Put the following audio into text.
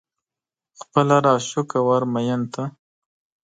خپل هر عاشق او هر مين ته